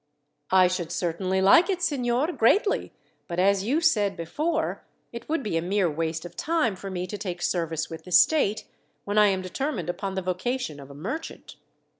"I should certainly like it, signor, greatly; but, as you said before, it would be a mere waste of time for me to take service with the state, when I am determined upon the vocation of a merchant."